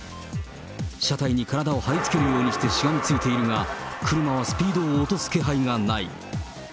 車体に体を張り付けるようにしてしがみついているが、車はスピードを落とす気配がない。